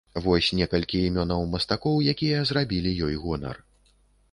Вось некалькі імёнаў мастакоў, якія зрабілі ёй гонар.